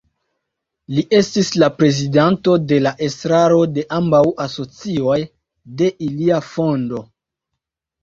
Li estis la prezidanto de la estraro de ambaŭ asocioj de ilia fondo.